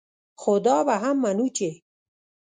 خو دا به هم منو چې